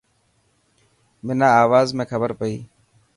منان آواز ۾ کبر پئي.